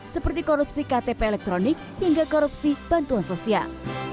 seperti korupsi ktp elektronik hingga korupsi bantuan sosial